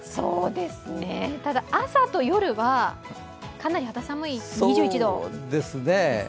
ただ、朝と夜はかなり肌寒い２１度ですね。